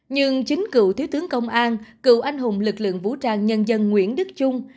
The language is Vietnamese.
nhưng chính cựu thiếu tướng công an cựu anh hùng lực lượng vũ trang nhân dân nguyễn đức trung